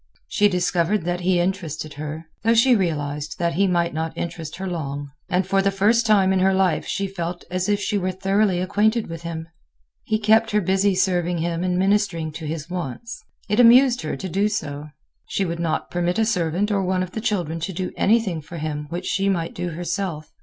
She discovered that he interested her, though she realized that he might not interest her long; and for the first time in her life she felt as if she were thoroughly acquainted with him. He kept her busy serving him and ministering to his wants. It amused her to do so. She would not permit a servant or one of the children to do anything for him which she might do herself.